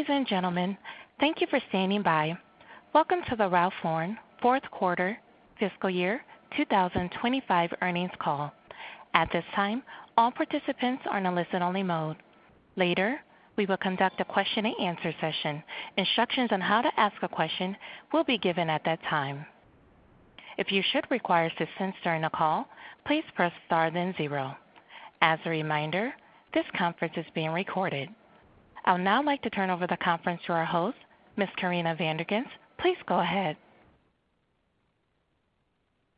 Ladies and gentlemen, thank you for standing by. Welcome to the Ralph Lauren fourth quarter fiscal year 2025 earnings call. At this time, all participants are in a listen-only mode. Later, we will conduct a question-and-answer session. Instructions on how to ask a question will be given at that time. If you should require assistance during the call, please press star then zero. As a reminder, this conference is being recorded. I would now like to turn over the conference to our host, Miss Corinna Van Der Ghinst. Please go ahead.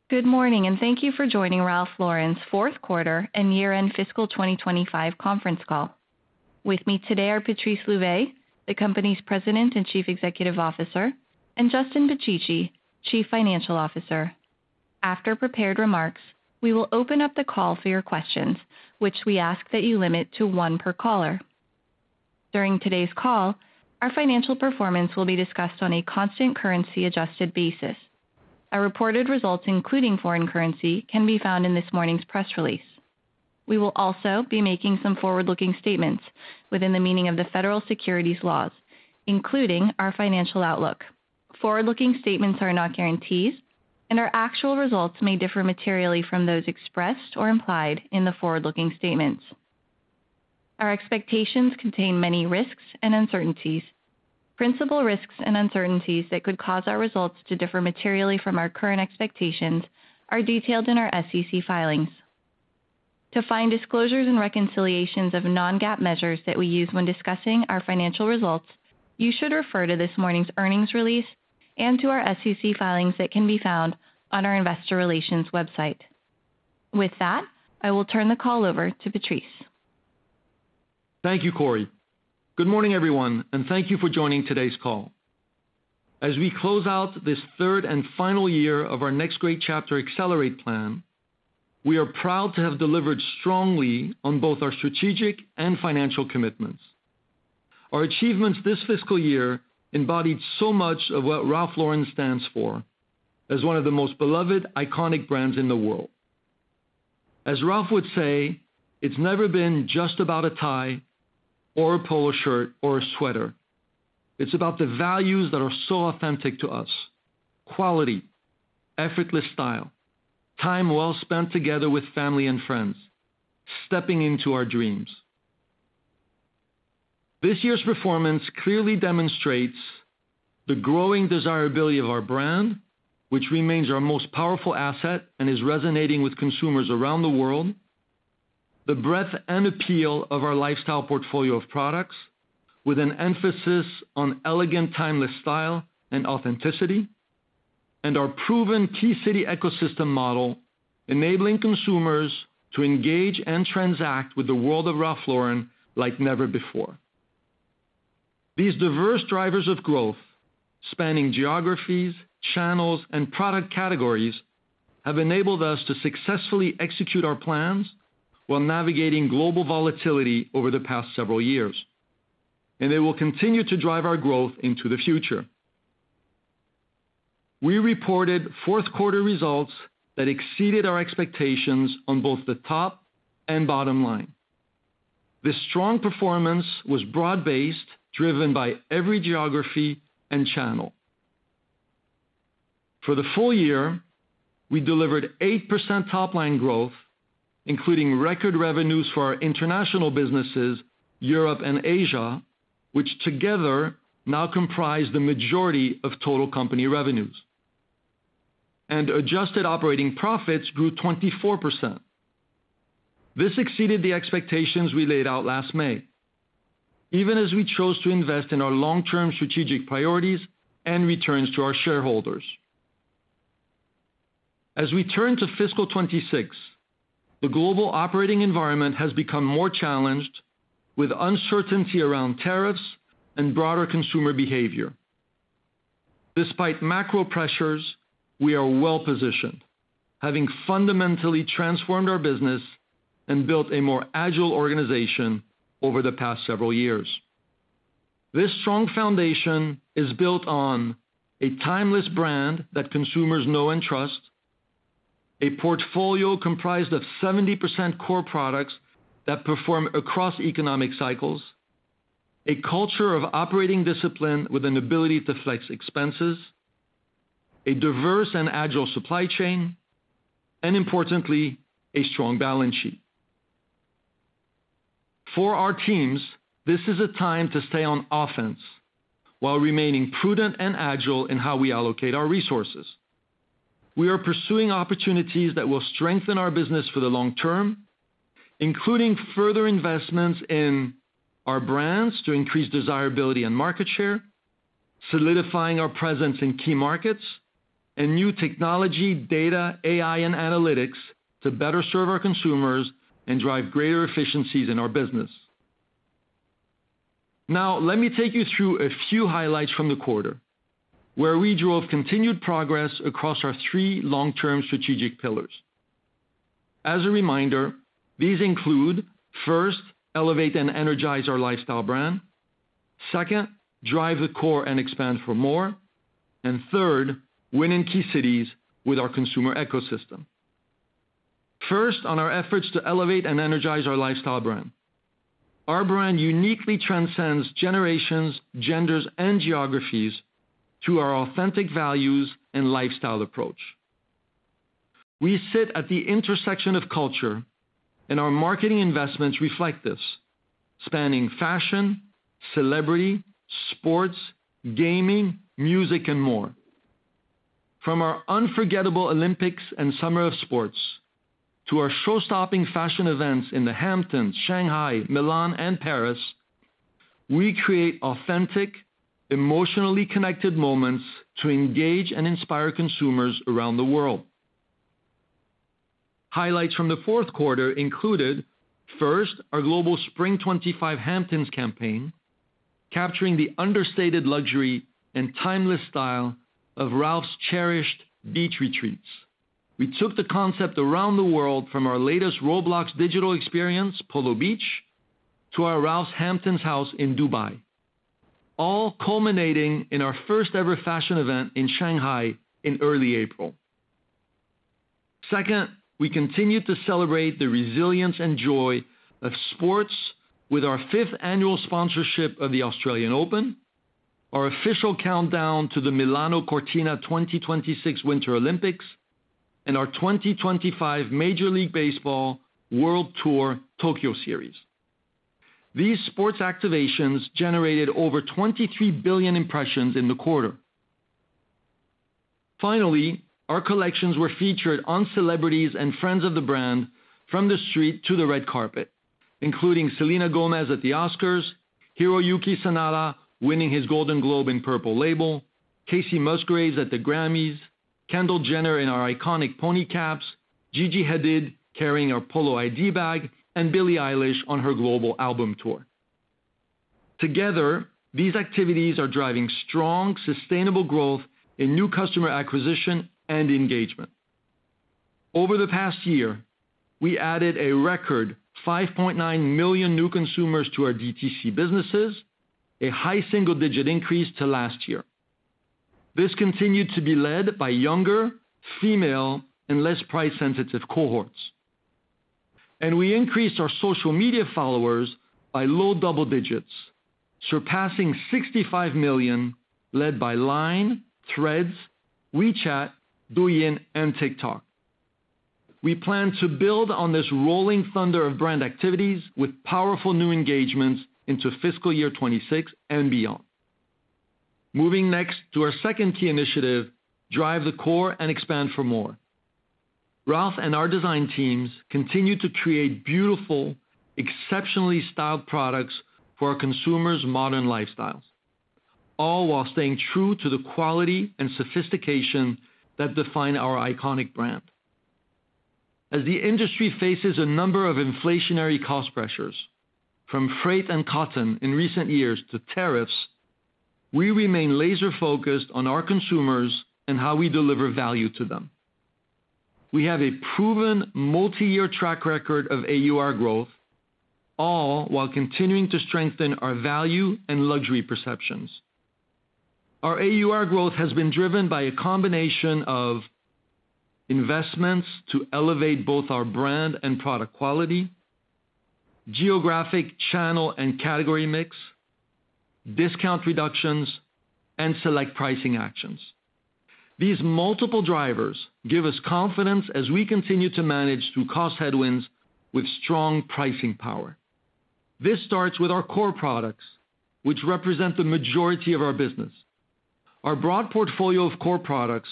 Good morning, and thank you for joining Ralph Lauren's fourth quarter and year-end fiscal 2025 conference call. With me today are Patrice Louvet, the company's President and Chief Executive Officer, and Justin Picicci, Chief Financial Officer. After prepared remarks, we will open up the call for your questions, which we ask that you limit to one per caller. During today's call, our financial performance will be discussed on a constant currency-adjusted basis. Our reported results, including foreign currency, can be found in this morning's press release. We will also be making some forward-looking statements within the meaning of the federal securities laws, including our financial outlook. Forward-looking statements are not guarantees, and our actual results may differ materially from those expressed or implied in the forward-looking statements. Our expectations contain many risks and uncertainties. Principal risks and uncertainties that could cause our results to differ materially from our current expectations are detailed in our SEC filings. To find disclosures and reconciliations of non-GAAP measures that we use when discussing our financial results, you should refer to this morning's earnings release and to our SEC filings that can be found on our investor relations website. With that, I will turn the call over to Patrice. Thank you, Cori. Good morning, everyone, and thank you for joining today's call. As we close out this third and final year of our Next Great Chapter Accelerate plan, we are proud to have delivered strongly on both our strategic and financial commitments. Our achievements this fiscal year embodied so much of what Ralph Lauren stands for as one of the most beloved, iconic brands in the world. As Ralph would say, it's never been just about a tie or a polo shirt or a sweater. It's about the values that are so authentic to us: quality, effortless style, time well spent together with family and friends, stepping into our dreams. This year's performance clearly demonstrates the growing desirability of our brand, which remains our most powerful asset and is resonating with consumers around the world. The breadth and appeal of our lifestyle portfolio of products, with an emphasis on elegant, timeless style and authenticity, and our proven key city ecosystem model, enabling consumers to engage and transact with the world of Ralph Lauren like never before. These diverse drivers of growth, spanning geographies, channels, and product categories, have enabled us to successfully execute our plans while navigating global volatility over the past several years, and they will continue to drive our growth into the future. We reported fourth quarter results that exceeded our expectations on both the top and bottom line. The strong performance was broad-based, driven by every geography and channel. For the full year, we delivered 8% top-line growth, including record revenues for our international businesses, Europe, and Asia, which together now comprise the majority of total company revenues. Adjusted operating profits grew 24%. This exceeded the expectations we laid out last May, even as we chose to invest in our long-term strategic priorities and returns to our shareholders. As we turn to fiscal 2026, the global operating environment has become more challenged, with uncertainty around tariffs and broader consumer behavior. Despite macro pressures, we are well positioned, having fundamentally transformed our business and built a more agile organization over the past several years. This strong foundation is built on a timeless brand that consumers know and trust, a portfolio comprised of 70% core products that perform across economic cycles, a culture of operating discipline with an ability to flex expenses, a diverse and agile supply chain, and importantly, a strong balance sheet. For our teams, this is a time to stay on offense while remaining prudent and agile in how we allocate our resources. We are pursuing opportunities that will strengthen our business for the long term, including further investments in our brands to increase desirability and market share, solidifying our presence in key markets, and new technology, data, AI, and analytics to better serve our consumers and drive greater efficiencies in our business. Now, let me take you through a few highlights from the quarter, where we drove continued progress across our three long-term strategic pillars. As a reminder, these include: first, elevate and energize our lifestyle brand; second, drive the core and expand for more; and third, win in key cities with our consumer ecosystem. First, on our efforts to elevate and energize our lifestyle brand, our brand uniquely transcends generations, genders, and geographies to our authentic values and lifestyle approach. We sit at the intersection of culture, and our marketing investments reflect this, spanning fashion, celebrity, sports, gaming, music, and more. From our unforgettable Olympics and Summer of Sports to our show-stopping fashion events in the Hamptons, Shanghai, Milan, and Paris, we create authentic, emotionally connected moments to engage and inspire consumers around the world. Highlights from the fourth quarter included: first, our global Spring 2025 Hamptons campaign, capturing the understated luxury and timeless style of Ralph's cherished beach retreats. We took the concept around the world from our latest Roblox digital experience, Polo Beach, to our Ralph's Hamptons house in Dubai, all culminating in our first-ever fashion event in Shanghai in early April. Second, we continue to celebrate the resilience and joy of sports with our fifth annual sponsorship of the Australian Open, our official countdown to the Milano Cortina 2026 Winter Olympics, and our 2025 Major League Baseball World Tour Tokyo Series. These sports activations generated over 23 billion impressions in the quarter. Finally, our collections were featured on celebrities and friends of the brand from the street to the red carpet, including Selena Gomez at the Oscars, Hiroyuki Sanada winning his Golden Globe and Purple Label, Kacey Musgraves at the Grammys, Kendall Jenner in our iconic pony caps, Gigi Hadid carrying her Polo ID bag, and Billie Eilish on her global album tour. Together, these activities are driving strong, sustainable growth in new customer acquisition and engagement. Over the past year, we added a record 5.9 million new consumers to our DTC businesses, a high single-digit increase to last year. This continued to be led by younger, female, and less price-sensitive cohorts. We increased our social media followers by low double digits, surpassing 65 million, led by Line, Threads, WeChat, Douyin, and TikTok. We plan to build on this rolling thunder of brand activities with powerful new engagements into fiscal year 2026 and beyond. Moving next to our second key initiative, drive the core and expand for more. Ralph and our design teams continue to create beautiful, exceptionally styled products for our consumers' modern lifestyles, all while staying true to the quality and sophistication that define our iconic brand. As the industry faces a number of inflationary cost pressures, from freight and cotton in recent years to tariffs, we remain laser-focused on our consumers and how we deliver value to them. We have a proven multi-year track record of AUR growth, all while continuing to strengthen our value and luxury perceptions. Our AUR growth has been driven by a combination of investments to elevate both our brand and product quality, geographic channel and category mix, discount reductions, and select pricing actions. These multiple drivers give us confidence as we continue to manage through cost headwinds with strong pricing power. This starts with our core products, which represent the majority of our business. Our broad portfolio of core products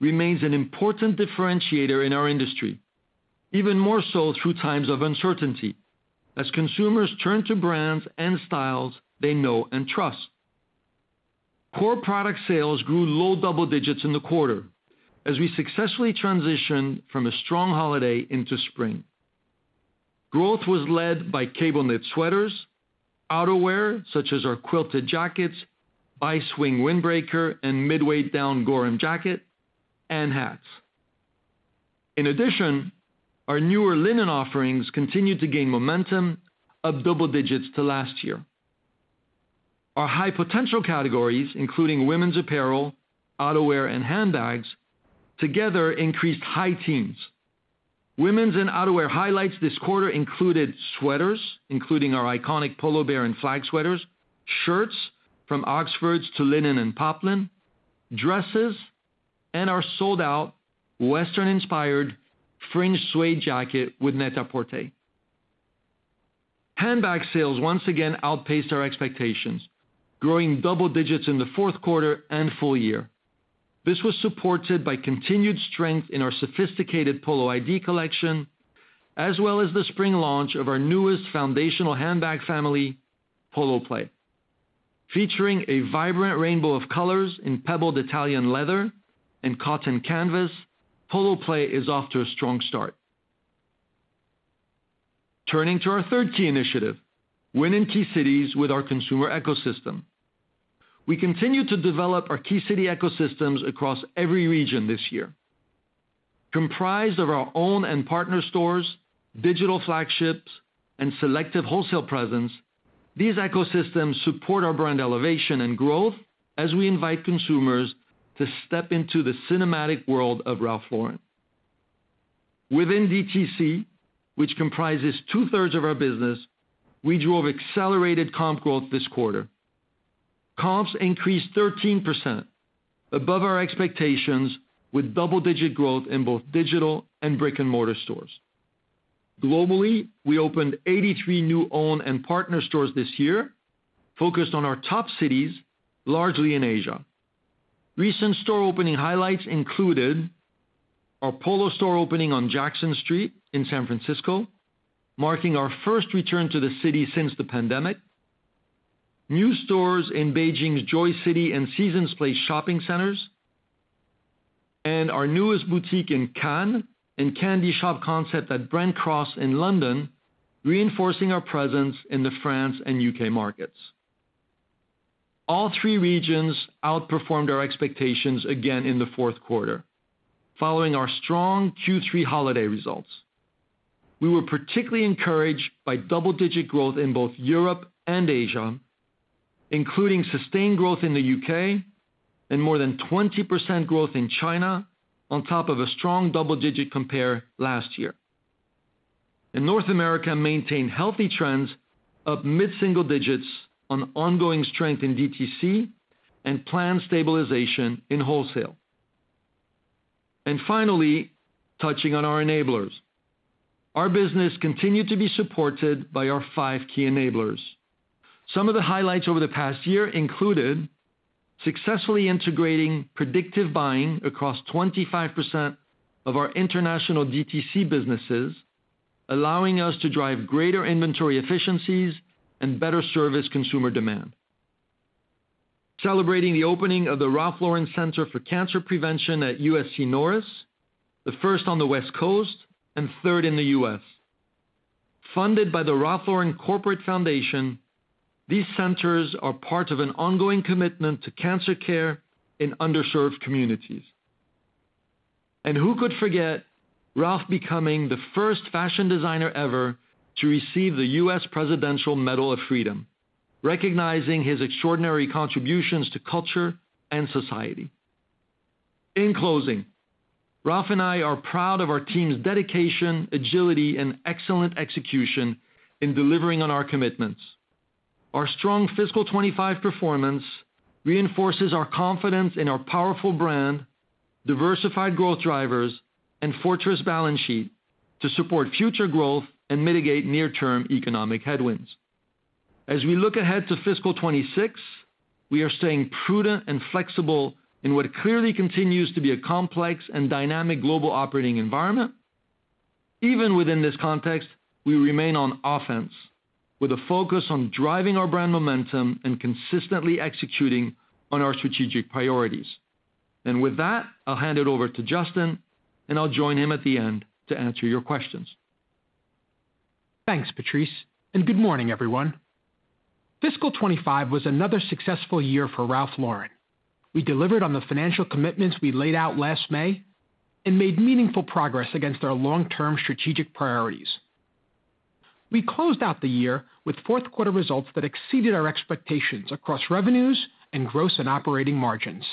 remains an important differentiator in our industry, even more so through times of uncertainty, as consumers turn to brands and styles they know and trust. Core product sales grew low double digits in the quarter as we successfully transitioned from a strong holiday into spring. Growth was led by cable-knit sweaters, outerwear such as our quilted jackets, bi-swing windbreaker and midweight down Gorham jacket, and hats. In addition, our newer linen offerings continued to gain momentum, up double digits to last year. Our high potential categories, including women's apparel, outerwear, and handbags, together increased high teens. Women's and outerwear highlights this quarter included sweaters, including our iconic Polo Bear and flag sweaters, shirts from oxfords to linen and poplin, dresses, and our sold-out western-inspired fringe suede jacket with net apportée. Handbag sales once again outpaced our expectations, growing double digits in the fourth quarter and full year. This was supported by continued strength in our sophisticated Polo ID collection, as well as the spring launch of our newest foundational handbag family, Polo Play. Featuring a vibrant rainbow of colors in pebbled Italian leather and cotton canvas, Polo Play is off to a strong start. Turning to our third key initiative, win in key cities with our consumer ecosystem. We continue to develop our key city ecosystems across every region this year. Comprised of our own and partner stores, digital flagships, and selective wholesale presence, these ecosystems support our brand elevation and growth as we invite consumers to step into the cinematic world of Ralph Lauren. Within DTC, which comprises 2/3 of our business, we drove accelerated comp growth this quarter. Comps increased 13%, above our expectations, with double-digit growth in both digital and brick-and-mortar stores. Globally, we opened 83 new owned and partner stores this year, focused on our top cities, largely in Asia. Recent store opening highlights included our Polo store opening on Jackson Street in San Francisco, marking our first return to the city since the pandemic, new stores in Beijing's Joy City and Seasons Place shopping centers, and our newest boutique in Cannes and candy shop concept at Brompton Cross in London, reinforcing our presence in the France and U.K. markets. All three regions outperformed our expectations again in the fourth quarter, following our strong Q3 holiday results. We were particularly encouraged by double-digit growth in both Europe and Asia, including sustained growth in the U.K. and more than 20% growth in China, on top of a strong double-digit compare last year. In North America, maintained healthy trends, up mid-single digits on ongoing strength in DTC and planned stabilization in wholesale. Finally, touching on our enablers, our business continued to be supported by our five key enablers. Some of the highlights over the past year included successfully integrating predictive buying across 25% of our international DTC businesses, allowing us to drive greater inventory efficiencies and better service consumer demand. Celebrating the opening of the Ralph Lauren Center for Cancer Prevention at USC Norris, the first on the West Coast and third in the U.S. Funded by the Ralph Lauren Corporate Foundation, these centers are part of an ongoing commitment to cancer care in underserved communities. Who could forget Ralph becoming the first fashion designer ever to receive the U.S. Presidential Medal of Freedom, recognizing his extraordinary contributions to culture and society. In closing, Ralph and I are proud of our team's dedication, agility, and excellent execution in delivering on our commitments. Our strong fiscal 2025 performance reinforces our confidence in our powerful brand, diversified growth drivers, and fortress balance sheet to support future growth and mitigate near-term economic headwinds. As we look ahead to fiscal 2026, we are staying prudent and flexible in what clearly continues to be a complex and dynamic global operating environment. Even within this context, we remain on offense with a focus on driving our brand momentum and consistently executing on our strategic priorities. With that, I'll hand it over to Justin, and I'll join him at the end to answer your questions. Thanks, Patrice, and good morning, everyone. Fiscal 2025 was another successful year for Ralph Lauren. We delivered on the financial commitments we laid out last May and made meaningful progress against our long-term strategic priorities. We closed out the year with fourth-quarter results that exceeded our expectations across revenues and gross and operating margins.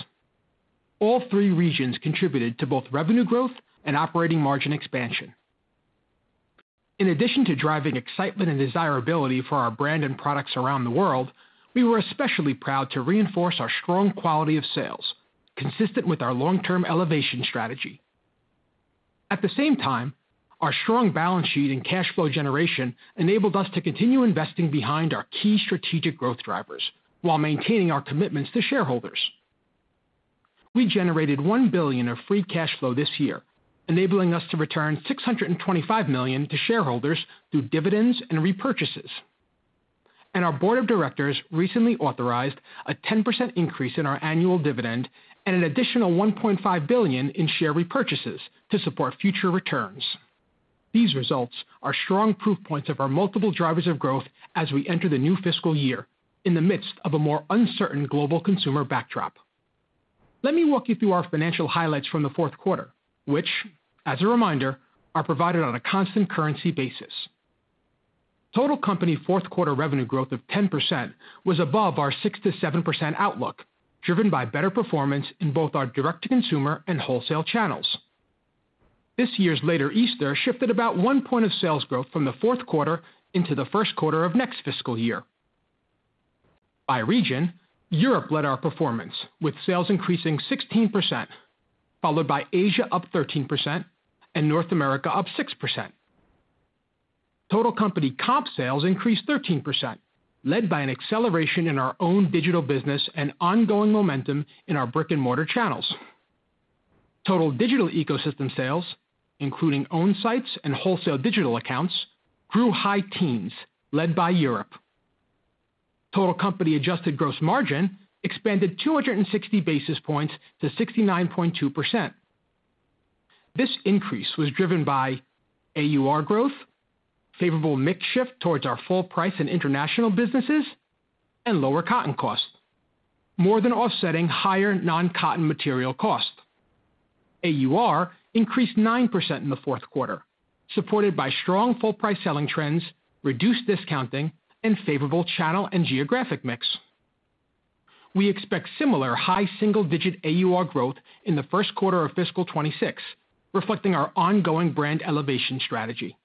All three regions contributed to both revenue growth and operating margin expansion. In addition to driving excitement and desirability for our brand and products around the world, we were especially proud to reinforce our strong quality of sales, consistent with our long-term elevation strategy. At the same time, our strong balance sheet and cash flow generation enabled us to continue investing behind our key strategic growth drivers while maintaining our commitments to shareholders. We generated $1 billion of free cash flow this year, enabling us to return $625 million to shareholders through dividends and repurchases. Our Board of Directors recently authorized a 10% increase in our annual dividend and an additional $1.5 billion in share repurchases to support future returns. These results are strong proof points of our multiple drivers of growth as we enter the new fiscal year in the midst of a more uncertain global consumer backdrop. Let me walk you through our financial highlights from the fourth quarter, which, as a reminder, are provided on a constant currency basis. Total company fourth-quarter revenue growth of 10% was above our 6%-7% outlook, driven by better performance in both our direct-to-consumer and wholesale channels. This year's later Easter shifted about one point of sales growth from the fourth quarter into the first quarter of next fiscal year. By region, Europe led our performance, with sales increasing 16%, followed by Asia up 13% and North America up 6%. Total company comp sales increased 13%, led by an acceleration in our own digital business and ongoing momentum in our brick-and-mortar channels. Total digital ecosystem sales, including own sites and wholesale digital accounts, grew high teens, led by Europe. Total company adjusted gross margin expanded 260 basis points to 69.2%. This increase was driven by AUR growth, favorable mix shift towards our full price and international businesses, and lower cotton costs, more than offsetting higher non-cotton material costs. AUR increased 9% in the fourth quarter, supported by strong full price selling trends, reduced discounting, and favorable channel and geographic mix. We expect similar high single-digit AUR growth in the first quarter of fiscal 2026, reflecting our ongoing brand elevation strategy.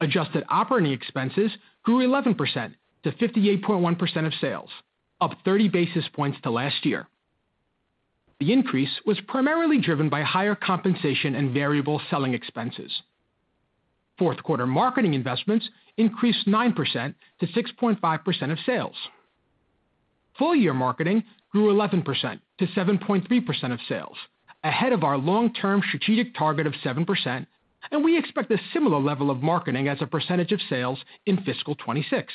Adjusted operating expenses grew 11% to 58.1% of sales, up 30 basis points to last year. The increase was primarily driven by higher compensation and variable selling expenses. Fourth-quarter marketing investments increased 9% to 6.5% of sales. Full-year marketing grew 11% to 7.3% of sales, ahead of our long-term strategic target of 7%, and we expect a similar level of marketing as a percentage of sales in fiscal 2026.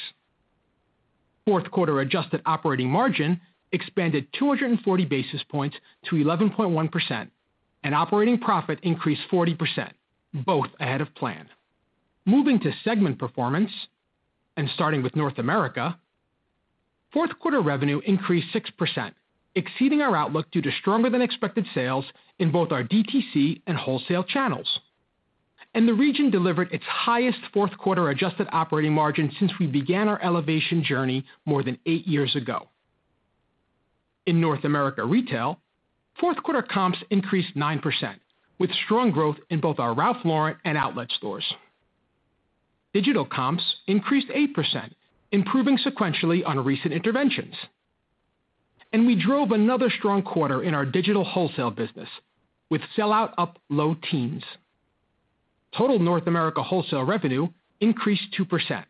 Fourth-quarter adjusted operating margin expanded 240 basis points to 11.1%, and operating profit increased 40%, both ahead of plan. Moving to segment performance, starting with North America, fourth-quarter revenue increased 6%, exceeding our outlook due to stronger-than-expected sales in both our DTC and wholesale channels. The region delivered its highest fourth-quarter adjusted operating margin since we began our elevation journey more than eight years ago. In North America retail, fourth-quarter comps increased 9%, with strong growth in both our Ralph Lauren and outlet stores. Digital comps increased 8%, improving sequentially on recent interventions. We drove another strong quarter in our digital wholesale business, with sellout up low teens. Total North America wholesale revenue increased 2%.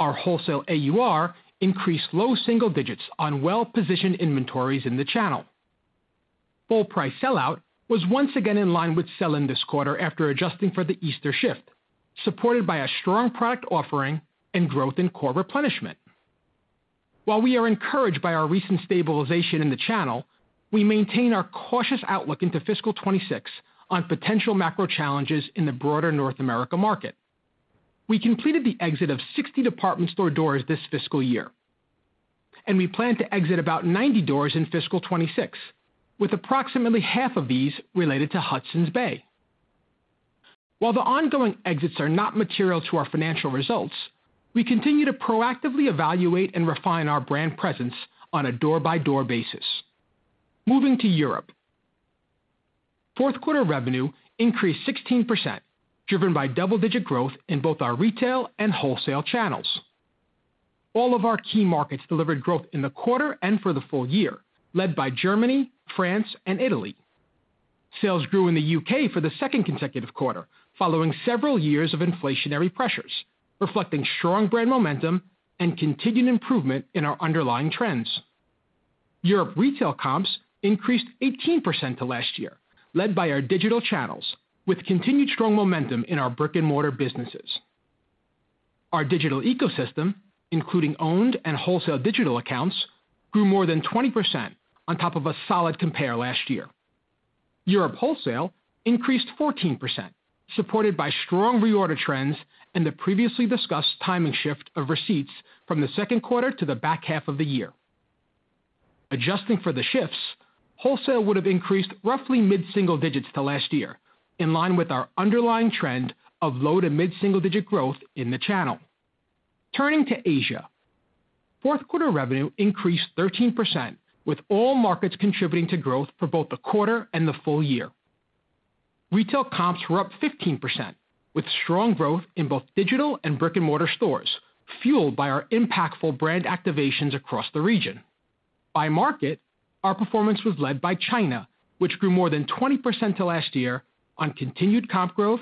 Our wholesale AUR increased low single digits on well-positioned inventories in the channel. Full price sellout was once again in line with sell-in this quarter after adjusting for the Easter shift, supported by a strong product offering and growth in core replenishment. While we are encouraged by our recent stabilization in the channel, we maintain our cautious outlook into fiscal 2026 on potential macro challenges in the broader North America market. We completed the exit of 60 department store doors this fiscal year, and we plan to exit about 90 doors in fiscal 2026, with approximately half of these related to Hudson's Bay. While the ongoing exits are not material to our financial results, we continue to proactively evaluate and refine our brand presence on a door-by-door basis. Moving to Europe, fourth-quarter revenue increased 16%, driven by double-digit growth in both our retail and wholesale channels. All of our key markets delivered growth in the quarter and for the full year, led by Germany, France, and Italy. Sales grew in the U.K. for the second consecutive quarter, following several years of inflationary pressures, reflecting strong brand momentum and continued improvement in our underlying trends. Europe retail comps increased 18% to last year, led by our digital channels, with continued strong momentum in our brick-and-mortar businesses. Our digital ecosystem, including owned and wholesale digital accounts, grew more than 20% on top of a solid compare last year. Europe wholesale increased 14%, supported by strong reorder trends and the previously discussed timing shift of receipts from the second quarter to the back half of the year. Adjusting for the shifts, wholesale would have increased roughly mid-single digits to last year, in line with our underlying trend of low to mid-single digit growth in the channel. Turning to Asia, fourth-quarter revenue increased 13%, with all markets contributing to growth for both the quarter and the full year. Retail comps were up 15%, with strong growth in both digital and brick-and-mortar stores, fueled by our impactful brand activations across the region. By market, our performance was led by China, which grew more than 20% to last year on continued comp growth,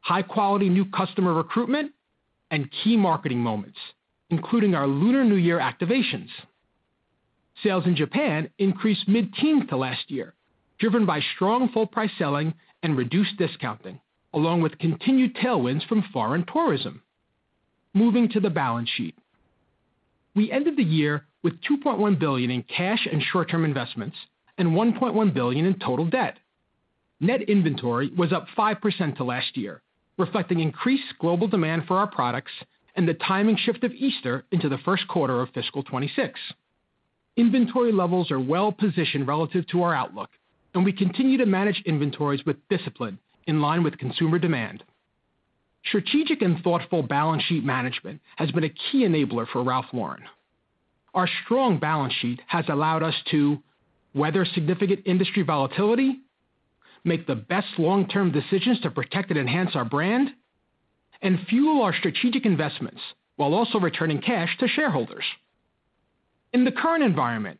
high-quality new customer recruitment, and key marketing moments, including our Lunar New Year activations. Sales in Japan increased mid-teens to last year, driven by strong full price selling and reduced discounting, along with continued tailwinds from foreign tourism. Moving to the balance sheet, we ended the year with $2.1 billion in cash and short-term investments and $1.1 billion in total debt. Net inventory was up 5% to last year, reflecting increased global demand for our products and the timing shift of Easter into the first quarter of fiscal 2026. Inventory levels are well-positioned relative to our outlook, and we continue to manage inventories with discipline in line with consumer demand. Strategic and thoughtful balance sheet management has been a key enabler for Ralph Lauren. Our strong balance sheet has allowed us to weather significant industry volatility, make the best long-term decisions to protect and enhance our brand, and fuel our strategic investments while also returning cash to shareholders. In the current environment,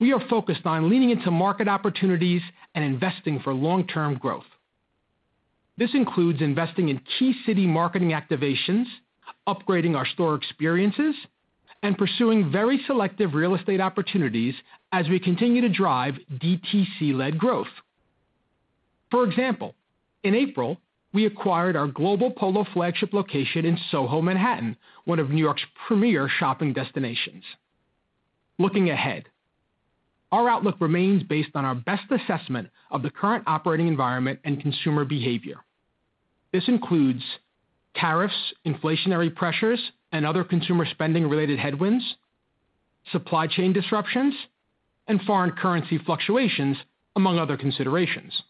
we are focused on leaning into market opportunities and investing for long-term growth. This includes investing in key city marketing activations, upgrading our store experiences, and pursuing very selective real estate opportunities as we continue to drive DTC-led growth. For example, in April, we acquired our global Polo flagship location in Soho, Manhattan, one of New York's premier shopping destinations. Looking ahead, our outlook remains based on our best assessment of the current operating environment and consumer behavior. This includes tariffs, inflationary pressures, and other consumer spending-related headwinds, supply chain disruptions, and foreign currency fluctuations, among other considerations.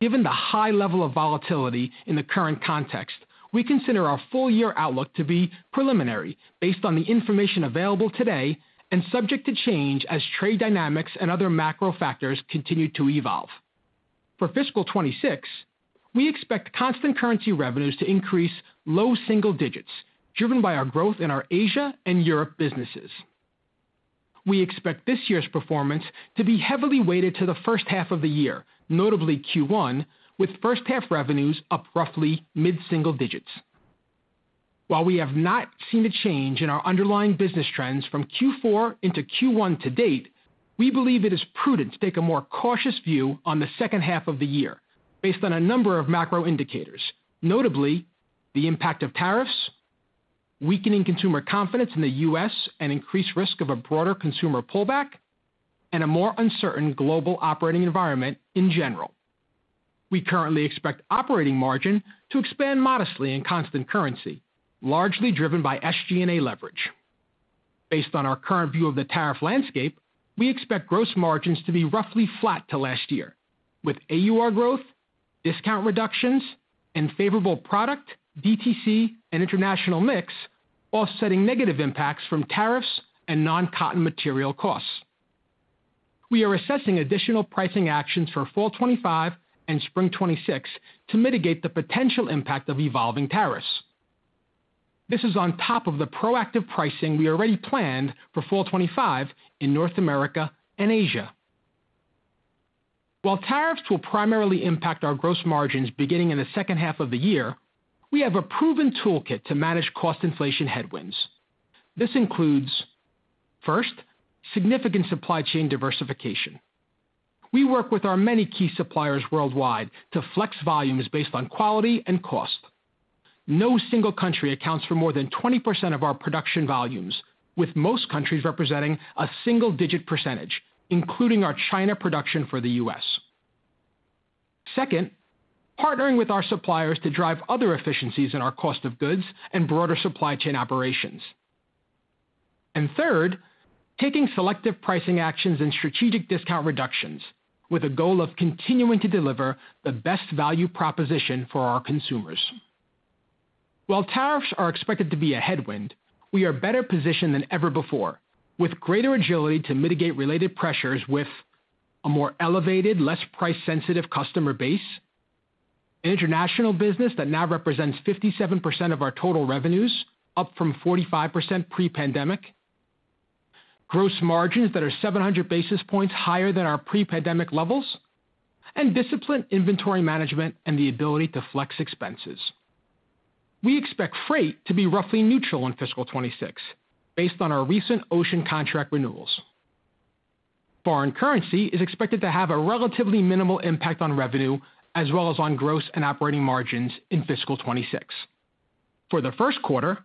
Given the high level of volatility in the current context, we consider our full-year outlook to be preliminary based on the information available today and subject to change as trade dynamics and other macro factors continue to evolve. For fiscal 2026, we expect constant currency revenues to increase low single digits, driven by our growth in our Asia and Europe businesses. We expect this year's performance to be heavily weighted to the first half of the year, notably Q1, with first-half revenues up roughly mid-single digits. While we have not seen a change in our underlying business trends from Q4 into Q1 to date, we believe it is prudent to take a more cautious view on the second half of the year based on a number of macro indicators, notably the impact of tariffs, weakening consumer confidence in the U.S. and increased risk of a broader consumer pullback, and a more uncertain global operating environment in general. We currently expect operating margin to expand modestly in constant currency, largely driven by SG&A leverage. Based on our current view of the tariff landscape, we expect gross margins to be roughly flat to last year, with AUR growth, discount reductions, and favorable product, DTC, and international mix offsetting negative impacts from tariffs and non-cotton material costs. We are assessing additional pricing actions for fall 2025 and spring 2026 to mitigate the potential impact of evolving tariffs. This is on top of the proactive pricing we already planned for fall 2025 in North America and Asia. While tariffs will primarily impact our gross margins beginning in the second half of the year, we have a proven toolkit to manage cost inflation headwinds. This includes, first, significant supply chain diversification. We work with our many key suppliers worldwide to flex volumes based on quality and cost. No single country accounts for more than 20% of our production volumes, with most countries representing a single-digit percentage, including our China production for the U.S.. Second, partnering with our suppliers to drive other efficiencies in our cost of goods and broader supply chain operations. Third, taking selective pricing actions and strategic discount reductions, with a goal of continuing to deliver the best value proposition for our consumers. While tariffs are expected to be a headwind, we are better positioned than ever before, with greater agility to mitigate related pressures with a more elevated, less price-sensitive customer base, an international business that now represents 57% of our total revenues, up from 45% pre-pandemic, gross margins that are 700 basis points higher than our pre-pandemic levels, and disciplined inventory management and the ability to flex expenses. We expect freight to be roughly neutral in fiscal 2026, based on our recent ocean contract renewals. Foreign currency is expected to have a relatively minimal impact on revenue, as well as on gross and operating margins in fiscal 2026. For the first quarter,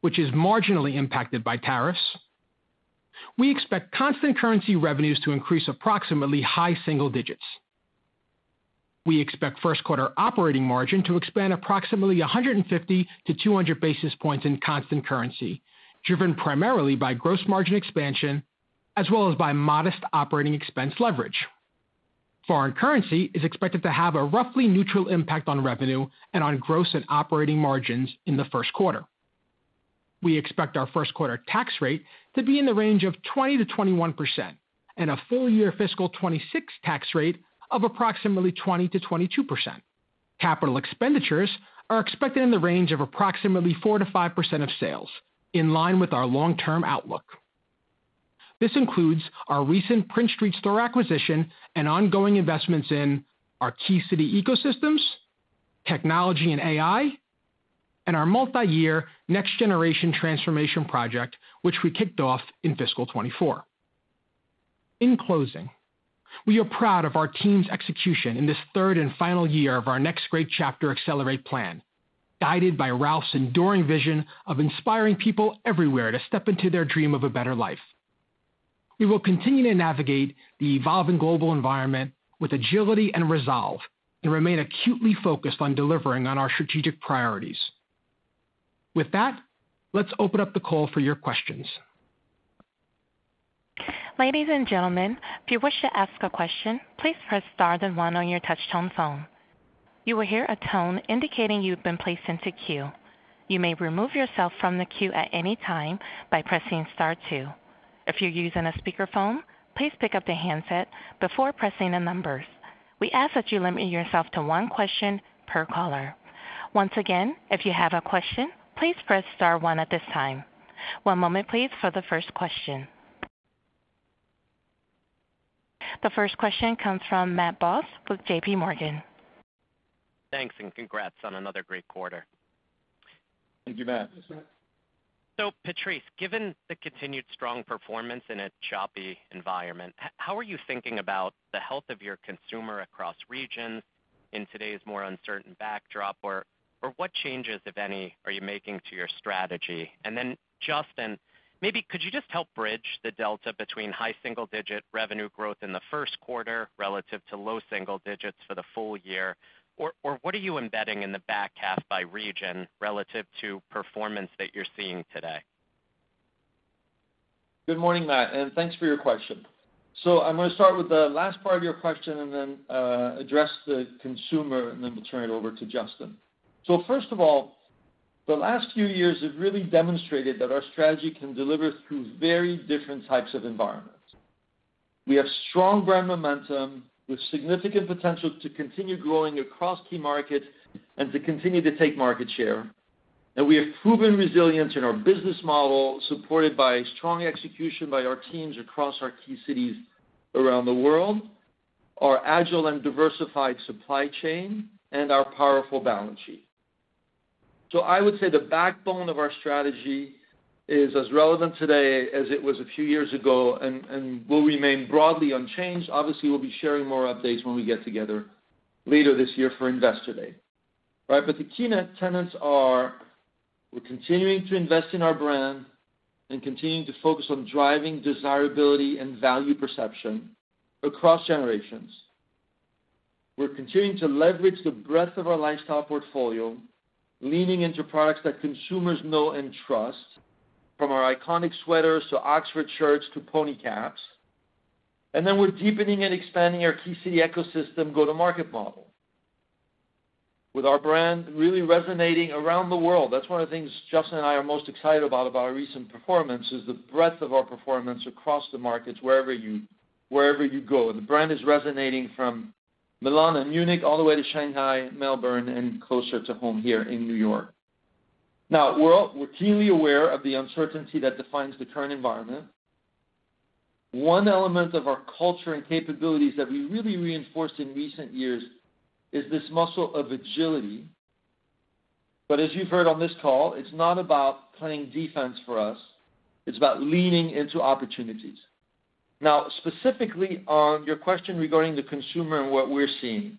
which is marginally impacted by tariffs, we expect constant currency revenues to increase approximately high single digits. We expect first-quarter operating margin to expand approximately 150 to 200 basis points in constant currency, driven primarily by gross margin expansion, as well as by modest operating expense leverage. Foreign currency is expected to have a roughly neutral impact on revenue and on gross and operating margins in the first quarter. We expect our first-quarter tax rate to be in the range of 20%-21%, and a full-year fiscal 2026 tax rate of approximately 20%-22%. Capital expenditures are expected in the range of approximately 4%-5% of sales, in line with our long-term outlook. This includes our recent Prince Street store acquisition and ongoing investments in our key city ecosystems, technology and AI, and our multi-year next-generation transformation project, which we kicked off in fiscal 2024. In closing, we are proud of our team's execution in this third and final year of our Next Great Chapter Accelerate plan, guided by Ralph's enduring vision of inspiring people everywhere to step into their dream of a better life. We will continue to navigate the evolving global environment with agility and resolve and remain acutely focused on delivering on our strategic priorities. With that, let's open up the call for your questions. Ladies and gentlemen, if you wish to ask a question, please press Star then 1 on your touch-tone phone. You will hear a tone indicating you have been placed into queue. You may remove yourself from the queue at any time by pressing Star 2. If you are using a speakerphone, please pick up the handset before pressing the numbers. We ask that you limit yourself to one question per caller. Once again, if you have a question, please press Star 1 at this time. One moment, please, for the first question. The first question comes from Matt Boss with JPMorgan. Thanks, and congrats on another great quarter. Thank you, Matt. Thanks, Matt. Patrice, given the continued strong performance in a choppy environment, how are you thinking about the health of your consumer across regions in today's more uncertain backdrop? What changes, if any, are you making to your strategy? Justin, maybe could you just help bridge the delta between high single-digit revenue growth in the first quarter relative to low single digits for the full year? What are you embedding in the back half by region relative to performance that you're seeing today? Good morning, Matt, and thanks for your question. I'm going to start with the last part of your question and then address the consumer, and then we'll turn it over to Justin. First of all, the last few years have really demonstrated that our strategy can deliver through very different types of environments. We have strong brand momentum with significant potential to continue growing across key markets and to continue to take market share. We have proven resilience in our business model, supported by strong execution by our teams across our key cities around the world, our agile and diversified supply chain, and our powerful balance sheet. I would say the backbone of our strategy is as relevant today as it was a few years ago and will remain broadly unchanged. Obviously, we'll be sharing more updates when we get together later this year for Investor Day. Right? The key tenets are we're continuing to invest in our brand and continuing to focus on driving desirability and value perception across generations. We're continuing to leverage the breadth of our lifestyle portfolio, leaning into products that consumers know and trust, from our iconic sweaters to oxford shirts to pony caps. Then we're deepening and expanding our key city ecosystem go-to-market model, with our brand really resonating around the world. That's one of the things Justin and I are most excited about, about our recent performance, is the breadth of our performance across the markets, wherever you go. The brand is resonating from Milan and Munich all the way to Shanghai, Melbourne, and closer to home here in New York. Now, we're keenly aware of the uncertainty that defines the current environment. One element of our culture and capabilities that we really reinforced in recent years is this muscle of agility. As you have heard on this call, it is not about playing defense for us. It is about leaning into opportunities. Now, specifically on your question regarding the consumer and what we are seeing,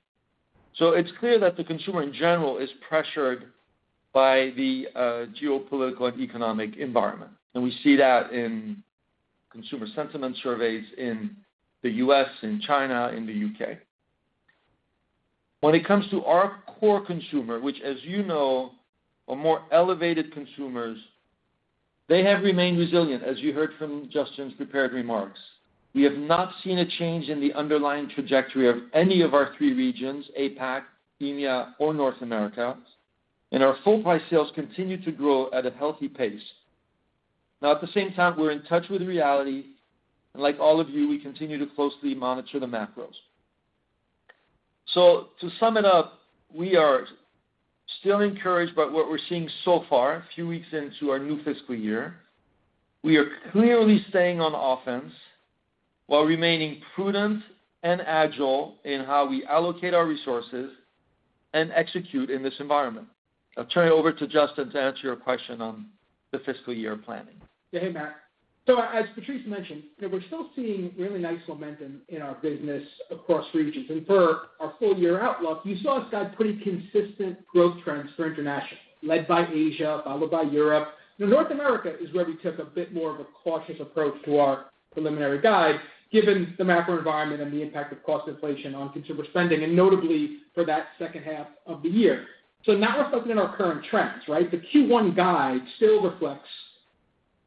it is clear that the consumer in general is pressured by the geopolitical and economic environment. We see that in consumer sentiment surveys in the U.S., in China, in the U.K. When it comes to our core consumer, which, as you know, are more elevated consumers, they have remained resilient, as you heard from Justin's prepared remarks. We have not seen a change in the underlying trajectory of any of our three regions, APAC, EMEA, or North America, and our full-price sales continue to grow at a healthy pace. At the same time, we are in touch with reality. Like all of you, we continue to closely monitor the macros. To sum it up, we are still encouraged by what we're seeing so far, a few weeks into our new fiscal year. We are clearly staying on offense while remaining prudent and agile in how we allocate our resources and execute in this environment. I'll turn it over to Justin to answer your question on the fiscal year planning. Yeah, hey, Matt. As Patrice mentioned, we're still seeing really nice momentum in our business across regions. For our full-year outlook, you saw us guide pretty consistent growth trends for international, led by Asia, followed by Europe. North America is where we took a bit more of a cautious approach to our preliminary guide, given the macro environment and the impact of cost inflation on consumer spending, and notably for that second half of the year. Not reflected in our current trends, right? The Q1 guide still reflects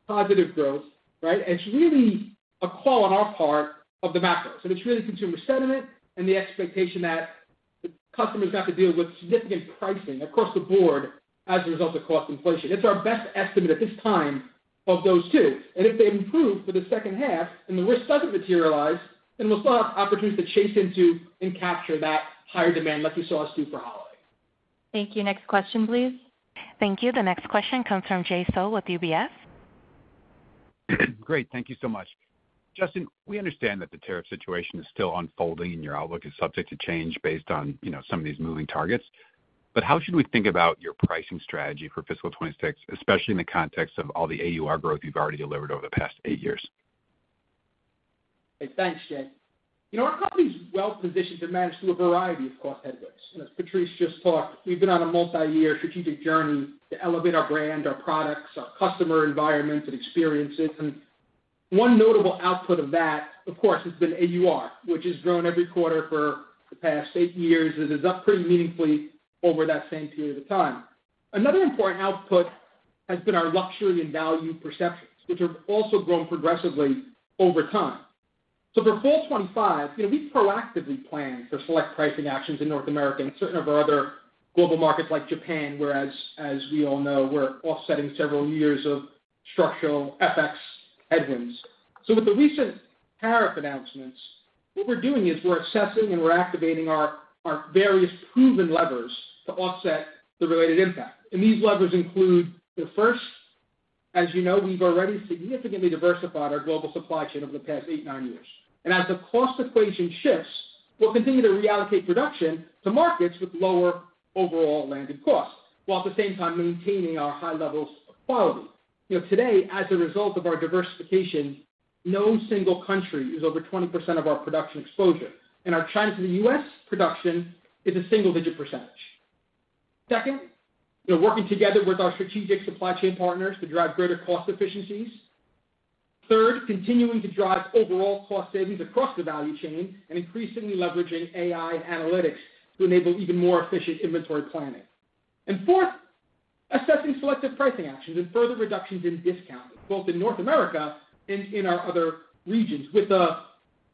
positive growth, right? It's really a call on our part of the macros. It's really consumer sentiment and the expectation that customers have to deal with significant pricing across the board as a result of cost inflation. It's our best estimate at this time of those two. If they improve for the second half and the risk doesn't materialize, then we'll still have opportunities to chase into and capture that higher demand, like you saw us do for Holiday. Thank you. Next question, please. Thank you. The next question comes from Jay Sole with UBS. Great. Thank you so much. Justin, we understand that the tariff situation is still unfolding and your outlook is subject to change based on some of these moving targets. How should we think about your pricing strategy for fiscal 2026, especially in the context of all the AUR growth you've already delivered over the past eight years? Thanks, Jay. Our company is well-positioned to manage through a variety of cost headwinds. As Patrice just talked, we've been on a multi-year strategic journey to elevate our brand, our products, our customer environments, and experiences. One notable output of that, of course, has been AUR, which has grown every quarter for the past eight years and is up pretty meaningfully over that same period of time. Another important output has been our luxury and value perceptions, which have also grown progressively over time. For fall 2025, we proactively planned for select pricing actions in North America and certain of our other global markets like Japan, whereas, as we all know, we're offsetting several years of structural FX headwinds. With the recent tariff announcements, what we're doing is we're assessing and we're activating our various proven levers to offset the related impact. These levers include, first, as you know, we've already significantly diversified our global supply chain over the past eight, nine years. As the cost equation shifts, we'll continue to reallocate production to markets with lower overall landed costs, while at the same time maintaining our high levels of quality. Today, as a result of our diversification, no single country is over 20% of our production exposure. Our China to the U.S. production is a single-digit percentage. Second, working together with our strategic supply chain partners to drive greater cost efficiencies. Third, continuing to drive overall cost savings across the value chain and increasingly leveraging AI and analytics to enable even more efficient inventory planning. Fourth, assessing selective pricing actions and further reductions in discounts, both in North America and in our other regions, with a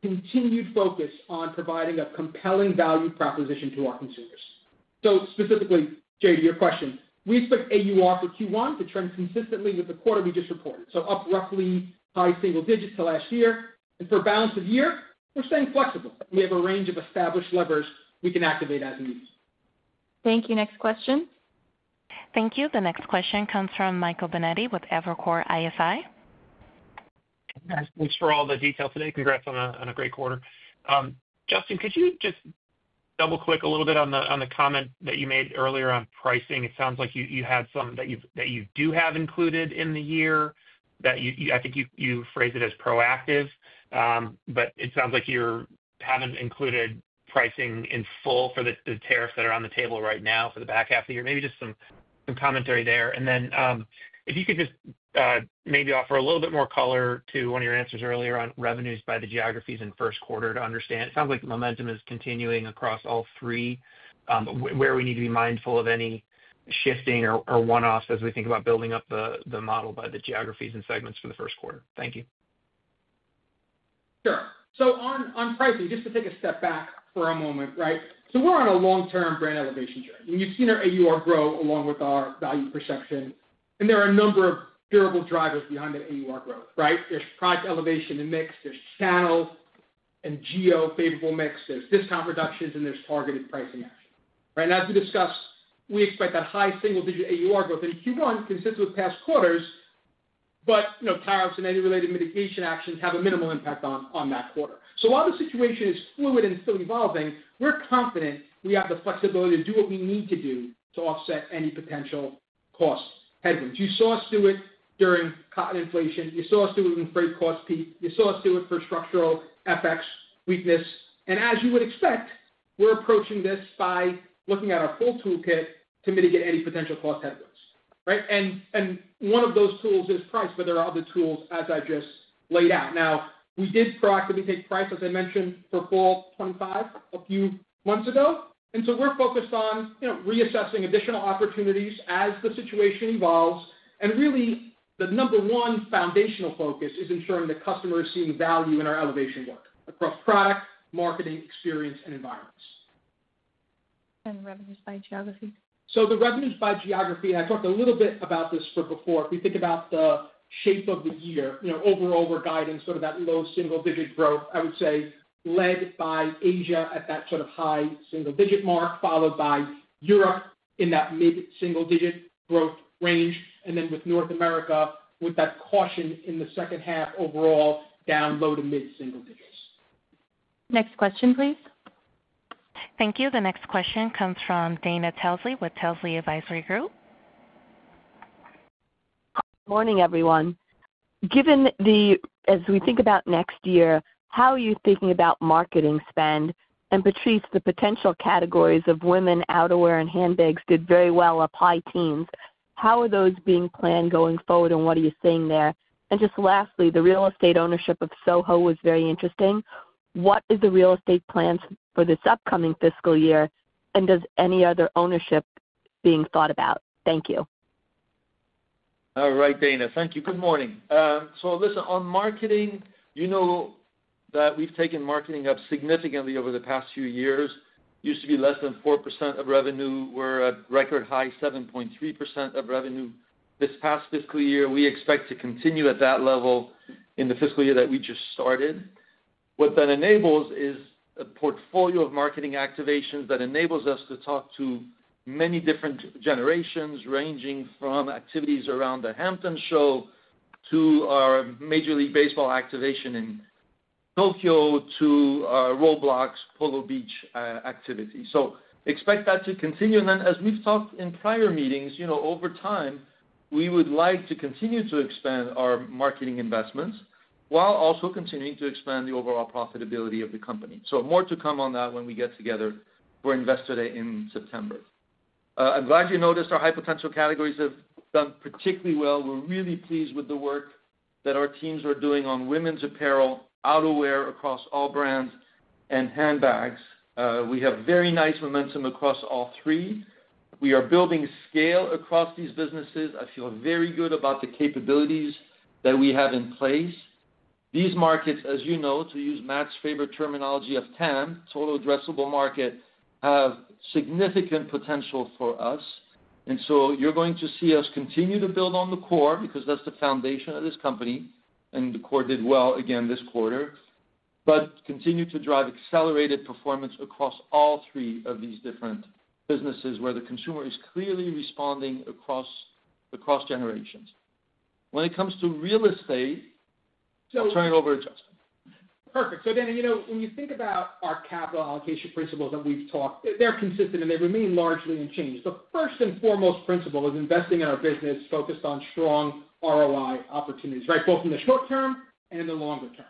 continued focus on providing a compelling value proposition to our consumers. Specifically, Jay, to your question, we expect AUR for Q1 to trend consistently with the quarter we just reported, so up roughly high single digits to last year. For balance of year, we are staying flexible. We have a range of established levers we can activate as needed. Thank you. Next question. Thank you. The next question comes from Michael Binetti with Evercore ISI. Thanks for all the detail today. Congrats on a great quarter. Justin, could you just double-click a little bit on the comment that you made earlier on pricing? It sounds like you had some that you do have included in the year, that I think you phrased it as proactive. It sounds like you have not included pricing in full for the tariffs that are on the table right now for the back half of the year. Maybe just some commentary there. If you could just maybe offer a little bit more color to one of your answers earlier on revenues by the geographies in first quarter to understand. It sounds like momentum is continuing across all three. Where we need to be mindful of any shifting or one-offs as we think about building up the model by the geographies and segments for the first quarter. Thank you. Sure. On pricing, just to take a step back for a moment, right? We are on a long-term brand elevation journey. You have seen our AUR grow along with our value perception. There are a number of durable drivers behind that AUR growth, right? There's product elevation and mix. There's channel and geo-favorable mix. There's discount reductions and there's targeted pricing action. Right? And as we discussed, we expect that high single-digit AUR growth in Q1 consistent with past quarters, but tariffs and any related mitigation actions have a minimal impact on that quarter. While the situation is fluid and still evolving, we're confident we have the flexibility to do what we need to do to offset any potential cost headwinds. You saw us do it during cotton inflation. You saw us do it when freight costs peaked. You saw us do it for structural FX weakness. As you would expect, we're approaching this by looking at our full toolkit to mitigate any potential cost headwinds. Right? One of those tools is price, but there are other tools, as I just laid out. Now, we did proactively take price, as I mentioned, for fall 2025 a few months ago. We are focused on reassessing additional opportunities as the situation evolves. Really, the number one foundational focus is ensuring that customers see value in our elevation work across product, marketing, experience, and environments. Revenues by geography? The revenues by geography, and I talked a little bit about this before, if we think about the shape of the year, overall, we are guiding sort of that low single-digit growth, I would say, led by Asia at that sort of high single-digit mark, followed by Europe in that mid-single-digit growth range. With North America, with that caution in the second half overall, down low to mid-single digits. Next question, please. Thank you. The next question comes from Dana Telsey with Telsey Advisory Group. Good morning, everyone. Given the, as we think about next year, how are you thinking about marketing spend? Patrice, the potential categories of women, outerwear, and handbags did very well, up high teens. How are those being planned going forward, and what are you seeing there? Just lastly, the real estate ownership of Soho was very interesting. What is the real estate plan for this upcoming fiscal year, and is any other ownership being thought about? Thank you. All right, Dana. Thank you. Good morning. Listen, on marketing, you know that we've taken marketing up significantly over the past few years. It used to be less than 4% of revenue. We're at a record high, 7.3% of revenue this past fiscal year. We expect to continue at that level in the fiscal year that we just started. What that enables is a portfolio of marketing activations that enables us to talk to many different generations, ranging from activities around the Hamptons show to our Major League Baseball activation in Tokyo to our Roblox Polo Beach activity. Expect that to continue. As we've talked in prior meetings, over time, we would like to continue to expand our marketing investments while also continuing to expand the overall profitability of the company. More to come on that when we get together for Investor Day in September. I'm glad you noticed our high potential categories have done particularly well. We're really pleased with the work that our teams are doing on women's apparel, outerwear across all brands, and handbags. We have very nice momentum across all three. We are building scale across these businesses. I feel very good about the capabilities that we have in place. These markets, as you know, to use Matt's favorite terminology of TAM, Total Addressable Market, have significant potential for us. You are going to see us continue to build on the core because that is the foundation of this company. The core did well again this quarter, but continue to drive accelerated performance across all three of these different businesses where the consumer is clearly responding across generations. When it comes to real estate, turn it over to Justin. Perfect. Dana, when you think about our capital allocation principles that we have talked, they are consistent and they remain largely unchanged. The first and foremost principle is investing in our business focused on strong ROI opportunities, right? Both in the short term and the longer term.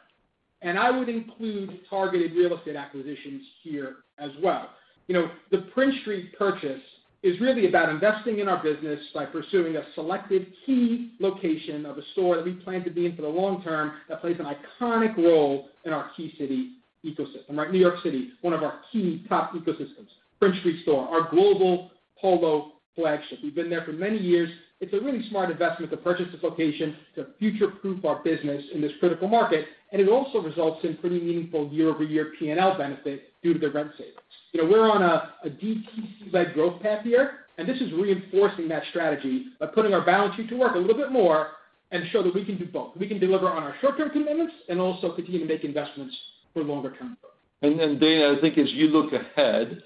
I would include targeted real estate acquisitions here as well. The Prince Street purchase is really about investing in our business by pursuing a selected key location of a store that we plan to be in for the long term that plays an iconic role in our key city ecosystem, right? New York City, one of our key top ecosystems. Prince Street Store, our global Polo flagship. We've been there for many years. It's a really smart investment to purchase this location to future-proof our business in this critical market. It also results in pretty meaningful year-over-year P&L benefit due to the rent savings. We're on a DTC-led growth path here, and this is reinforcing that strategy by putting our balance sheet to work a little bit more and show that we can do both. We can deliver on our short-term commitments and also continue to make investments for longer-term growth. Dana, I think as you look ahead,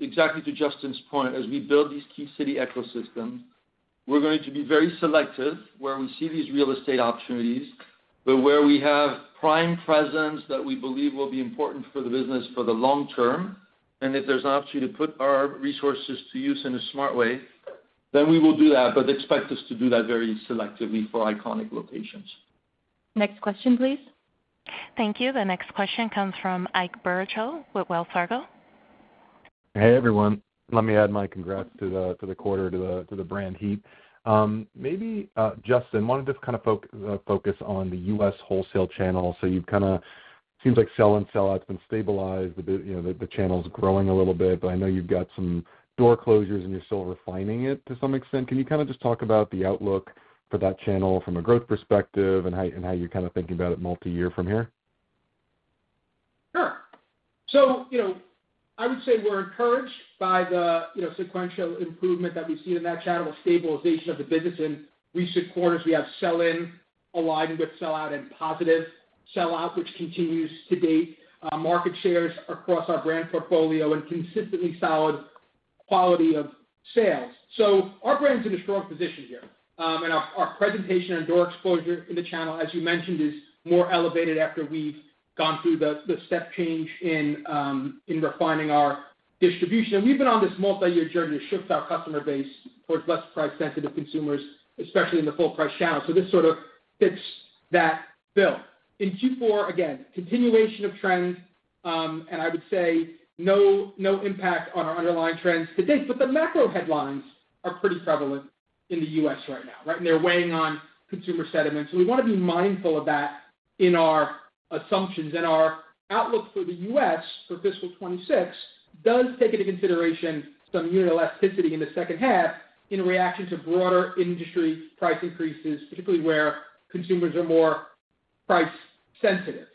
exactly to Justin's point, as we build these key city ecosystems, we're going to be very selective where we see these real estate opportunities, but where we have prime presence that we believe will be important for the business for the long term. If there's an opportunity to put our resources to use in a smart way, then we will do that, but expect us to do that very selectively for iconic locations. Next question, please. Thank you. The next question comes from Ike Boruchow with Wells Fargo. Hey, everyone. Let me add my congrats to the quarter, to the brand heat. Maybe Justin, I wanted to kind of focus on the U.S. wholesale channel. You’ve kind of, it seems like sell-in, sell-out's been stabilized. The channel's growing a little bit, but I know you've got some door closures and you're still refining it to some extent. Can you kind of just talk about the outlook for that channel from a growth perspective and how you're kind of thinking about it multi-year from here? Sure. I would say we're encouraged by the sequential improvement that we've seen in that channel with stabilization of the business. In recent quarters, we have sell-in aligned with sell-out, and positive sell-out, which continues to date market shares across our brand portfolio and consistently solid quality of sales. Our brand's in a strong position here. Our presentation and door exposure in the channel, as you mentioned, is more elevated after we've gone through the step change in refining our distribution. We have been on this multi-year journey to shift our customer base towards less price-sensitive consumers, especially in the full-price channel. This sort of fits that bill. In Q4, again, continuation of trends, and I would say no impact on our underlying trends to date. The macro headlines are pretty prevalent in the U.S. right now, right? They are weighing on consumer sentiment. We want to be mindful of that in our assumptions. Our outlook for the U.S. for fiscal 2026 does take into consideration some unit elasticity in the second half in reaction to broader industry price increases, particularly where consumers are more price-sensitive.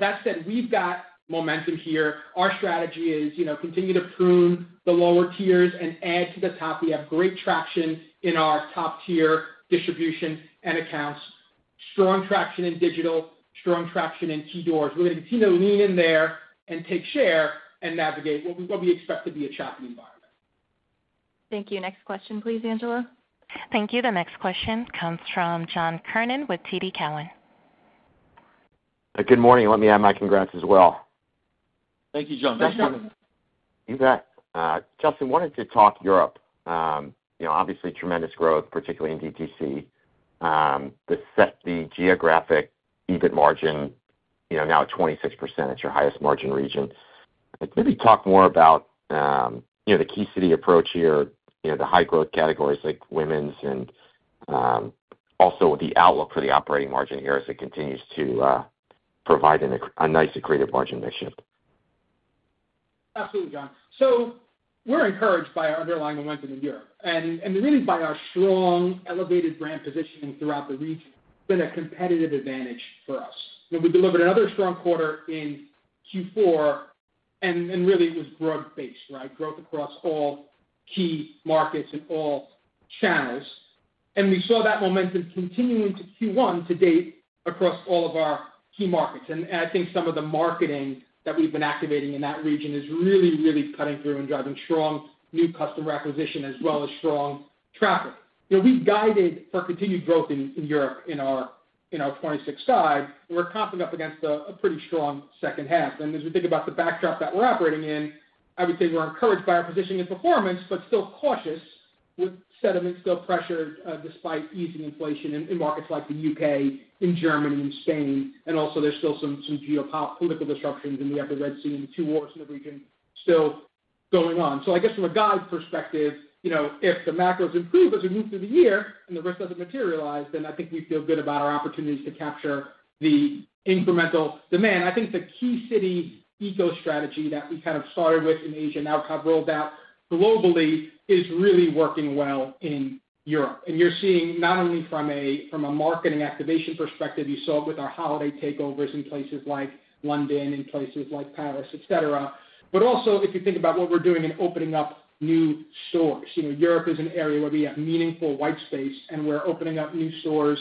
That said, we have momentum here. Our strategy is to continue to prune the lower tiers and add to the top. We have great traction in our top-tier distribution and accounts, strong traction in digital, strong traction in key doors. We're going to continue to lean in there and take share and navigate what we expect to be a choppy environment. Thank you. Next question, please, Angela. Thank you. The next question comes from John Kernan with TD Cowen. Good morning. Let me add my congrats as well. Thank you, John. Thanks. You bet. Justin, I wanted to talk Europe. Obviously, tremendous growth, particularly in DTC. The geographic EBIT margin, now 26%, it's your highest margin region. Maybe talk more about the key city approach here, the high growth categories like women's, and also the outlook for the operating margin here as it continues to provide a nice aggregative margin mixture. Absolutely, John. So we're encouraged by our underlying momentum in Europe and really by our strong, elevated brand positioning throughout the region. It's been a competitive advantage for us. We delivered another strong quarter in Q4, and really it was growth-based, right? Growth across all key markets and all channels. We saw that momentum continuing to Q1 to date across all of our key markets. I think some of the marketing that we've been activating in that region is really, really cutting through and driving strong new customer acquisition as well as strong traffic. We've guided for continued growth in Europe in our 2026 side. We're comping up against a pretty strong second half. As we think about the backdrop that we're operating in, I would say we're encouraged by our positioning and performance, but still cautious with sentiment, still pressured despite easing inflation in markets like the U.K., in Germany, in Spain. Also, there's still some geopolitical disruptions in the upper Red Sea and the two wars in the region still going on. I guess from a guide perspective, if the macros improve as we move through the year and the risk does not materialize, then I think we feel good about our opportunities to capture the incremental demand. I think the key city eco-strategy that we kind of started with in Asia and now have rolled out globally is really working well in Europe. You are seeing not only from a marketing activation perspective, you saw it with our holiday takeovers in places like London, in places like Paris, etc., but also if you think about what we are doing in opening up new stores. Europe is an area where we have meaningful white space, and we are opening up new stores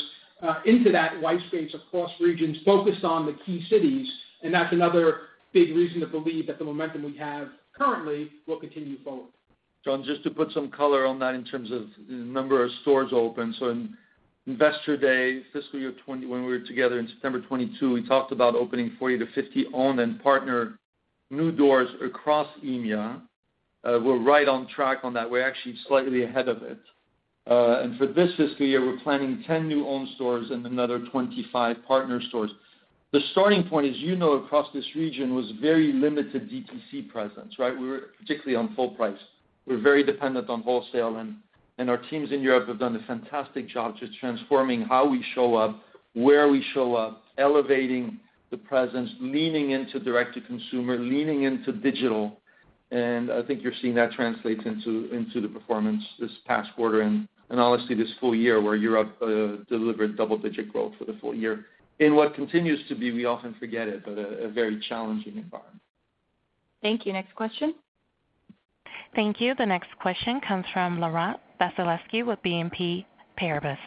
into that white space across regions focused on the key cities. That is another big reason to believe that the momentum we have currently will continue forward. John, just to put some color on that in terms of the number of stores open. In Investor Day, fiscal year 2020, when we were together in September 2022, we talked about opening 40-50 owned and partner new doors across EMEA. We are right on track on that. We are actually slightly ahead of it. For this fiscal year, we are planning 10 new owned stores and another 25 partner stores. The starting point, as you know, across this region was very limited DTC presence, right? We were particularly on full price. We were very dependent on wholesale, and our teams in Europe have done a fantastic job just transforming how we show up, where we show up, elevating the presence, leaning into direct-to-consumer, leaning into digital. I think you're seeing that translates into the performance this past quarter and honestly this full year where Europe delivered double-digit growth for the full year. In what continues to be, we often forget it, but a very challenging environment. Thank you. Next question. Thank you. The next question comes from Laurent Vasilescu with BNP Paribas.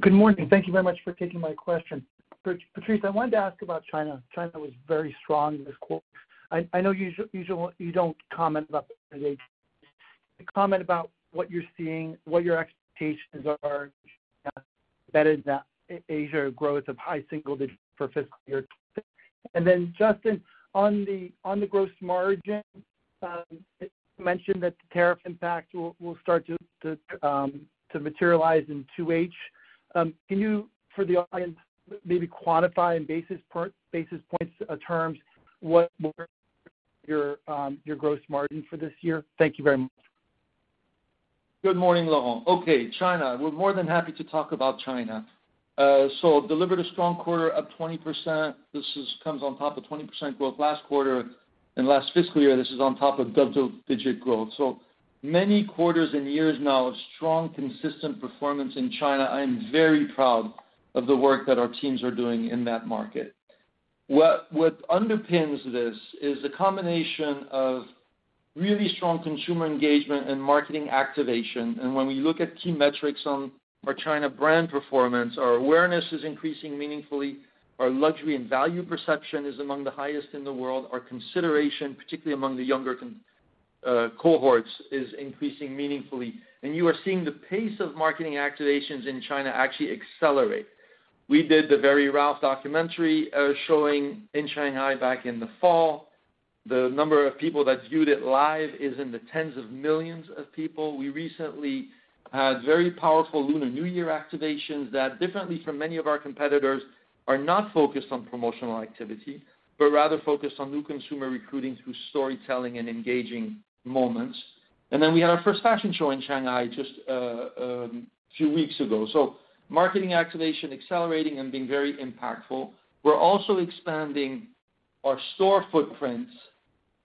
Good morning. Thank you very much for taking my question. Patrice, I wanted to ask about China. China was very strong this quarter. I know you don't comment about the data. Comment about what you're seeing, what your expectations are better than Asia growth of high single-digit for fiscal year. And then, Justin, on the gross margin, you mentioned that the tariff impact will start to materialize in 2H. Can you, for the audience, maybe quantify in basis points terms what your gross margin for this year? Thank you very much. Good morning, Laurent. Okay, China. We're more than happy to talk about China. Delivered a strong quarter of 20%. This comes on top of 20% growth last quarter and last fiscal year. This is on top of double-digit growth. Many quarters and years now of strong, consistent performance in China. I am very proud of the work that our teams are doing in that market. What underpins this is a combination of really strong consumer engagement and marketing activation. When we look at key metrics on our China brand performance, our awareness is increasing meaningfully. Our luxury and value perception is among the highest in the world. Our consideration, particularly among the younger cohorts, is increasing meaningfully. You are seeing the pace of marketing activations in China actually accelerate. We did the Very Ralph documentary showing in Shanghai back in the fall. The number of people that viewed it live is in the tens of millions of people. We recently had very powerful Lunar New Year activations that, differently from many of our competitors, are not focused on promotional activity, but rather focused on new consumer recruiting through storytelling and engaging moments. We had our first fashion show in Shanghai just a few weeks ago. Marketing activation accelerating and being very impactful. We're also expanding our store footprints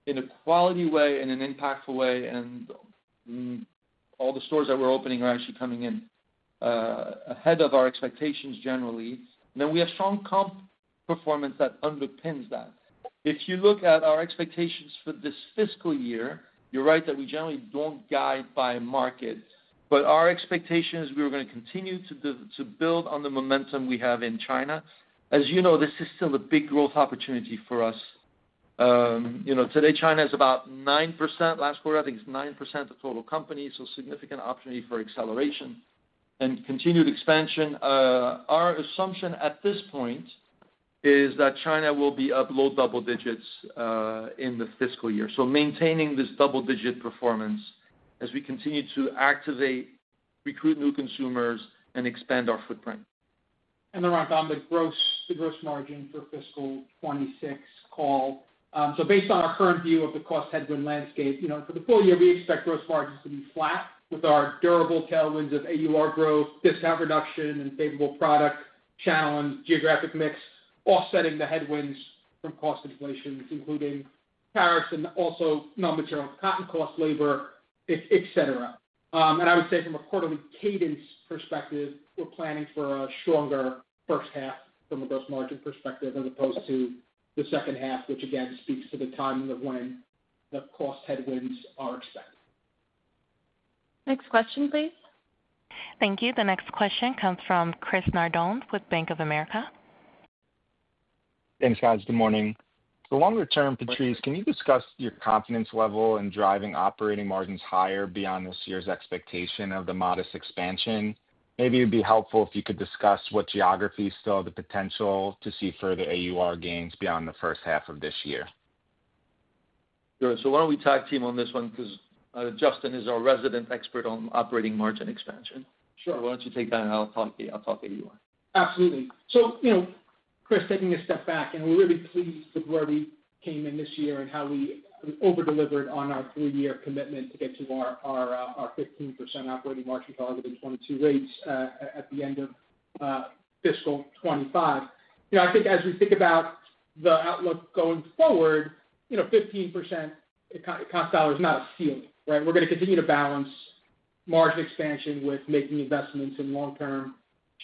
in a quality way, in an impactful way. All the stores that we're opening are actually coming in ahead of our expectations generally. We have strong comp performance that underpins that. If you look at our expectations for this fiscal year, you're right that we generally don't guide by market, but our expectation is we're going to continue to build on the momentum we have in China. As you know, this is still a big growth opportunity for us. Today, China is about 9%. Last quarter, I think it's 9% of total company. Significant opportunity for acceleration and continued expansion. Our assumption at this point is that China will be above double digits in the fiscal year. Maintaining this double-digit performance as we continue to activate, recruit new consumers, and expand our footprint. Laurent, on the gross margin for fiscal 2026 call. Based on our current view of the cost headwind landscape, for the full year, we expect gross margins to be flat with our durable tailwinds of AUR growth, discount reduction, and favorable product challenge, geographic mix, offsetting the headwinds from cost inflations, including tariffs and also non-material cotton cost labor, etc. I would say from a quarterly cadence perspective, we're planning for a stronger first half from a gross margin perspective as opposed to the second half, which again speaks to the timing of when the cost headwinds are expected. Next question, please. Thank you. The next question comes from Chris Nardone with Bank of America. Thanks, guys. Good morning. Longer term, Patrice, can you discuss your confidence level in driving operating margins higher beyond this year's expectation of the modest expansion? Maybe it would be helpful if you could discuss what geographies still have the potential to see further AUR gains beyond the first half of this year. Why don't we tag team on this one? Because Justin is our resident expert on operating margin expansion. Sure. Why don't you take that, and I'll talk to you. I'll talk to you. Absolutely. Chris, taking a step back, we're really pleased with where we came in this year and how we overdelivered on our three-year commitment to get to our 15% operating margin target in 2022 rates at the end of fiscal 2025. I think as we think about the outlook going forward, 15% cost dollar is not a ceiling, right? We're going to continue to balance margin expansion with making investments in long-term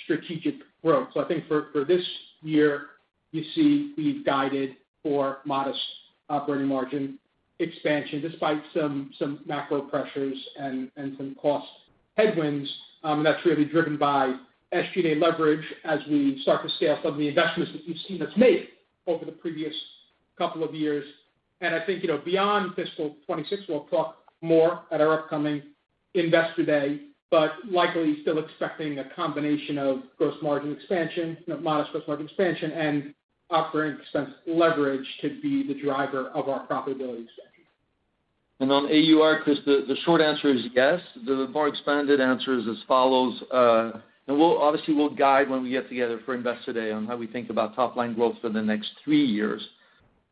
strategic growth. I think for this year, you see we've guided for modest operating margin expansion despite some macro pressures and some cost headwinds. That's really driven by SG&A leverage as we start to scale some of the investments that you've seen us make over the previous couple of years. I think beyond fiscal 2026, we will talk more at our upcoming Investor Day, but likely still expecting a combination of gross margin expansion, modest gross margin expansion, and operating expense leverage to be the driver of our profitability expansion. On AUR, Chris, the short answer is yes. The more expanded answer is as follows. Obviously, we will guide when we get together for Investor Day on how we think about top-line growth for the next three years.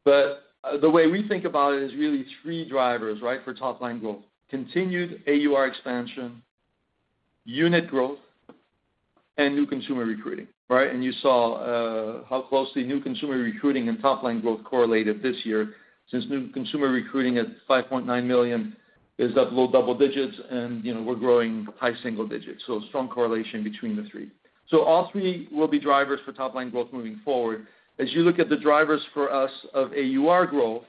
The way we think about it is really three drivers for top-line growth: continued AUR expansion, unit growth, and new consumer recruiting. You saw how closely new consumer recruiting and top-line growth correlated this year since new consumer recruiting at 5.9 million is at low double digits, and we are growing high single digits. Strong correlation between the three. All three will be drivers for top-line growth moving forward. As you look at the drivers for us of AUR growth,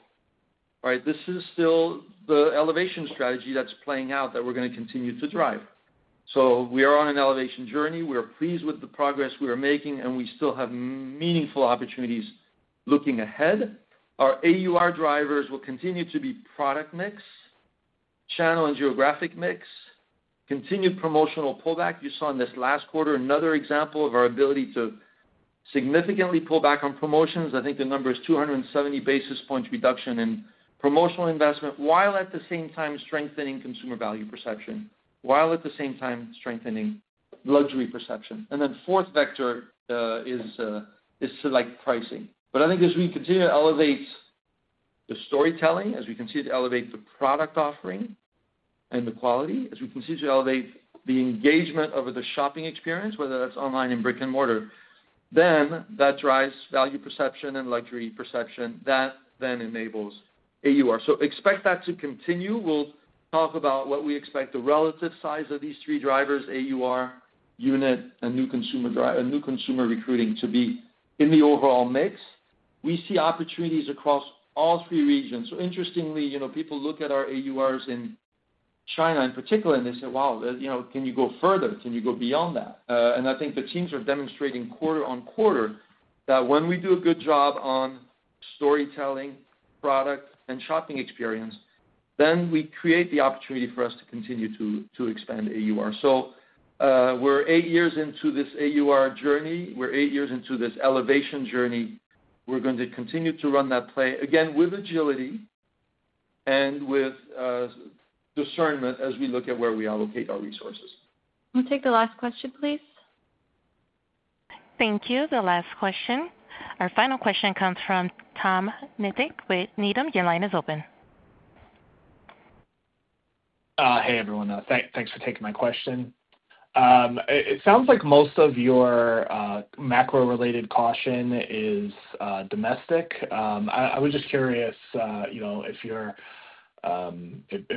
right, this is still the elevation strategy that's playing out that we're going to continue to drive. We are on an elevation journey. We are pleased with the progress we are making, and we still have meaningful opportunities looking ahead. Our AUR drivers will continue to be product mix, channel, and geographic mix, continued promotional pullback. You saw in this last quarter another example of our ability to significantly pull back on promotions. I think the number is 270 basis points reduction in promotional investment, while at the same time strengthening consumer value perception, while at the same time strengthening luxury perception. The fourth vector is select pricing. I think as we continue to elevate the storytelling, as we continue to elevate the product offering and the quality, as we continue to elevate the engagement over the shopping experience, whether that's online and brick and mortar, that drives value perception and luxury perception. That then enables AUR. Expect that to continue. We'll talk about what we expect the relative size of these three drivers: AUR, unit, and new consumer recruiting to be in the overall mix. We see opportunities across all three regions. Interestingly, people look at our AURs in China in particular, and they say, "Wow, can you go further? Can you go beyond that?" I think the teams are demonstrating quarter on quarter that when we do a good job on storytelling, product, and shopping experience, we create the opportunity for us to continue to expand AUR. We're eight years into this AUR journey. We're eight years into this elevation journey. We're going to continue to run that play again with agility and with discernment as we look at where we allocate our resources. We'll take the last question, please. Thank you. The last question. Our final question comes from Tom Nikic with Needham. Your line is open. Hey, everyone. Thanks for taking my question. It sounds like most of your macro-related caution is domestic. I was just curious if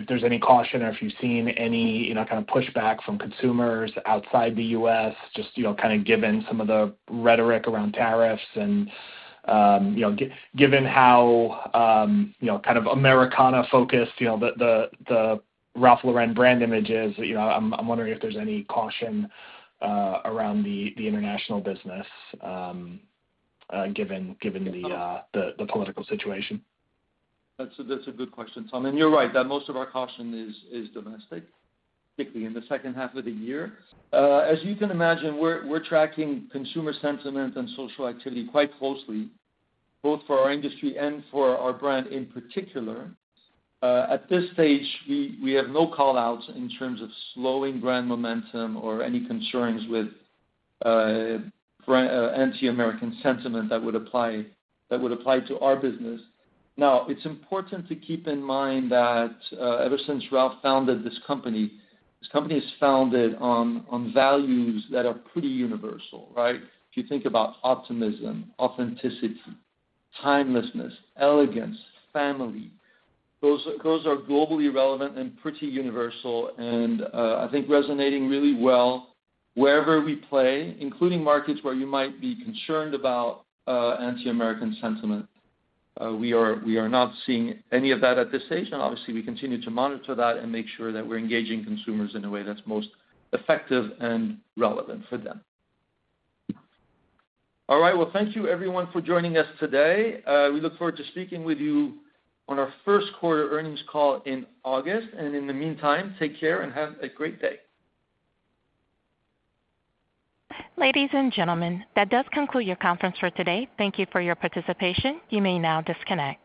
there's any caution or if you've seen any kind of pushback from consumers outside the U.S., just kind of given some of the rhetoric around tariffs and given how kind of Americana-focused the Ralph Lauren brand image is. I'm wondering if there's any caution around the international business given the political situation. That's a good question, Tom. You are right that most of our caution is domestic, particularly in the second half of the year. As you can imagine, we are tracking consumer sentiment and social activity quite closely, both for our industry and for our brand in particular. At this stage, we have no callouts in terms of slowing brand momentum or any concerns with anti-American sentiment that would apply to our business. It is important to keep in mind that ever since Ralph founded this company, this company is founded on values that are pretty universal, right? If you think about optimism, authenticity, timelessness, elegance, family, those are globally relevant and pretty universal. I think resonating really well wherever we play, including markets where you might be concerned about anti-American sentiment, we are not seeing any of that at this stage. Obviously, we continue to monitor that and make sure that we're engaging consumers in a way that's most effective and relevant for them. Thank you, everyone, for joining us today. We look forward to speaking with you on our first quarter earnings call in August. In the meantime, take care and have a great day. Ladies and gentlemen, that does conclude your conference for today. Thank you for your participation. You may now disconnect.